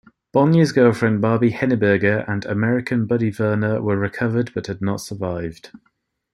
Bogner's girlfriend Barbi Henneberger and American Buddy Werner were recovered but had not survived.